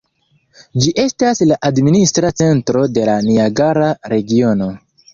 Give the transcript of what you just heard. Ĝi estas la administra centro de la Niagara regiono.